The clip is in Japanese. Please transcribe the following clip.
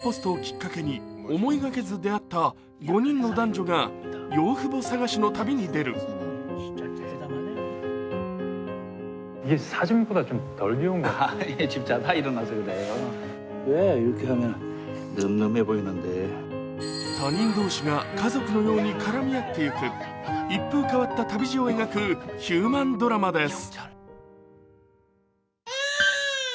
赤ちゃんポストをきっかけに思いがけず出会った５人の男女が養父母探しの旅に出る他人同士が家族のように絡み合っていく一風変わった旅路を描くヒューマンドラマです。